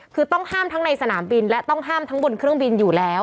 คือต้องห้ามทั้งในสนามบินและต้องห้ามทั้งบนเครื่องบินอยู่แล้ว